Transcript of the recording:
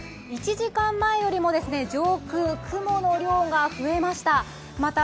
１時間前よりも上空雲の量が増えました。